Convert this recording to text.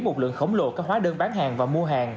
một lượng khổng lồ các hóa đơn bán hàng và mua hàng